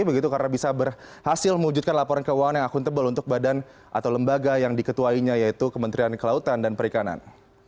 begitu karena bisa berhasil mewujudkan laporan keuangan yang akuntabel untuk badan atau lembaga yang diketuainya yaitu kementerian kelautan dan perikanan